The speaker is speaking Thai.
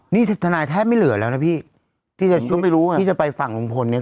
นี่ทนายแทบไม่เหลือแล้วนะพี่ที่จะไม่รู้อ่ะที่จะไปฝั่งลุงพลเนี่ย